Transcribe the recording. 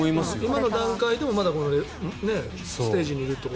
今の段階でもまだこのステージにいるという。